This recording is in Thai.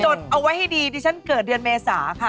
จดเอาไว้ให้ดีดิฉันเกิดเดือนเมษาค่ะ